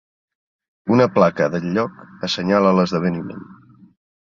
Una placa del lloc assenyala l'esdeveniment.